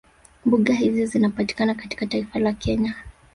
Mbuga hizi zinapatikana katika taifa la Kenya